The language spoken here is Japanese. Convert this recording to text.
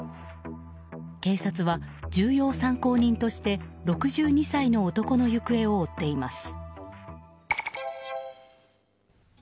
警察は、重要参考人として６２歳の男の行方を追っています。